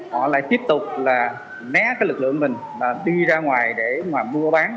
họ lại tiếp tục là né cái lực lượng mình là đi ra ngoài để mà mua bán